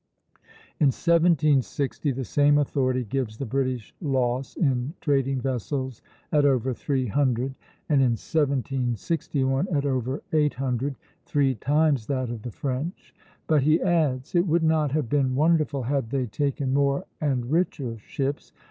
In 1760 the same authority gives the British loss in trading vessels at over three hundred, and in 1761 at over eight hundred, three times that of the French; but he adds: "It would not have been wonderful had they taken more and richer ships.